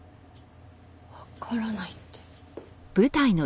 わからないって。